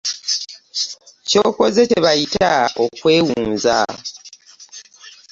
Ky'okoze kye bayita okwewunza.